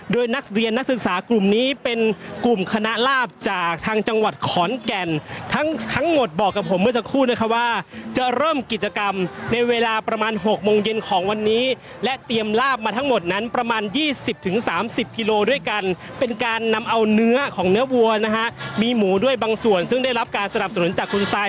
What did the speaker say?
โดยนักเรียนนักศึกษากลุ่มนี้เป็นกลุ่มคณะลาบจากทางจังหวัดขอนแก่นทั้งหมดบอกกับผมเมื่อสักครู่นะคะว่าจะเริ่มกิจกรรมในเวลาประมาณ๖โมงเย็นของวันนี้และเตรียมลาบมาทั้งหมดนั้นประมาณยี่สิบถึงสามสิบกิโลด้วยกันเป็นการนำเอาเนื้อของเนื้อวัวนะฮะมีหมูด้วยบางส่วนซึ่งได้รับการสนับสนุนจากคุณซาย